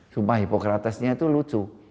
sumpah hippocratesnya itu lucu